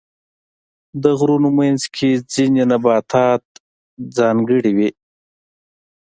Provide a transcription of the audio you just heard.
د غرونو منځ کې ځینې نباتات ځانګړي وي.